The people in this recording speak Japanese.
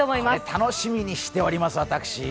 楽しみにしております、私。